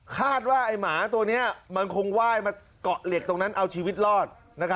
คาดว่าไอ้หมาตัวนี้มันคงไหว้มาเกาะเหล็กตรงนั้นเอาชีวิตรอด